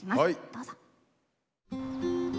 どうぞ。